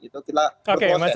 itu silakan proses